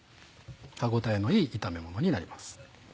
歯応えのいい炒めものになります。